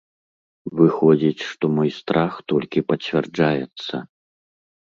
Выходзіць, што мой страх толькі пацвярджаецца.